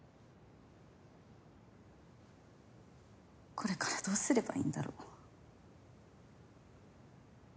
これからどうすればいいんだろう。